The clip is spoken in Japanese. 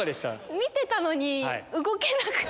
見てたのに動けなくて。